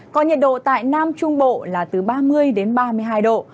còn nhiệt độ tại nam trung bộ là từ ba mươi đến ba mươi hai độ